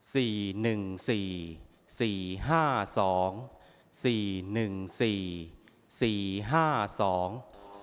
หนึ่งสี่สี่ห้าสองสี่หนึ่งสี่สี่ห้าสอง